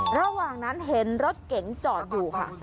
ระหว่างนั้นเห็นรถเก๋งจอดอยู่ค่ะ